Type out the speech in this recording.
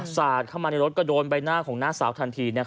สาดเข้ามาในรถก็โดนใบหน้าของน้าสาวทันที